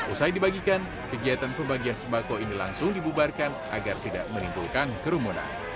usai dibagikan kegiatan pembagian sembako ini langsung dibubarkan agar tidak menimbulkan kerumunan